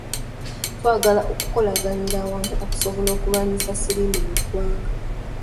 Twagala okukolaganira awamu okusobola okulwanyisa siriimu mu ggwanga.